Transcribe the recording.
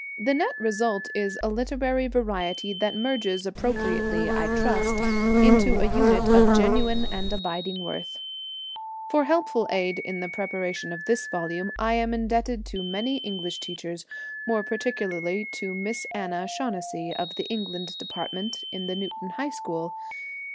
The net result is a literary variety that merges appropriately, I trust, into a unit of genuine and abiding worth. For helpful aid in the preparation of this volume, I am indebted to many English teachers, more particularly to Miss Anna Shaughnessy, of the English department in the Newton High School.